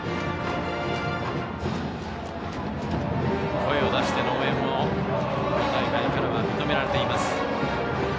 声を出しての応援も今大会からは認められています。